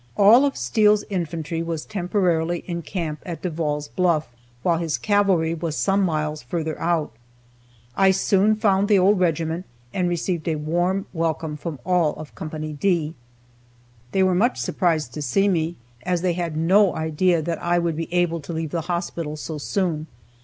All of Steele's infantry was temporarily in camp at Devall's Bluff, while his cavalry was some miles further out. I soon found the old regiment, and received a warm welcome from all of Co. D. They were much surprised to see me, as they had no idea that I would be able to leave the hospital so soon.